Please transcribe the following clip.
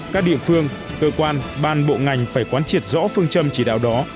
các địa phương cơ quan ban bộ ngành phải quán triệt rõ phương châm chỉ đạo đó